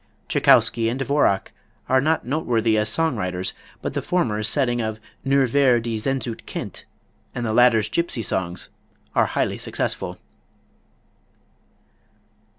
Tschaikowsky and Dvorak are not noteworthy as song writers, but the former's setting of "Nur wer die Sehnsucht kennt" and the latter's "Gypsy Songs" are highly successful.